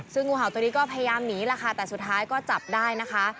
ซึ่งงูเห่าตัวนี้ก็พยายามหนีแหละค่ะแต่สุดท้ายก็จับได้นะคะ